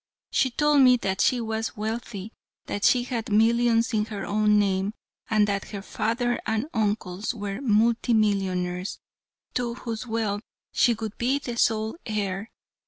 She told me that she was wealthy, that she had millions in her own name, and that her father and uncles were multi millionaires, to whose wealth she would be the sole heir.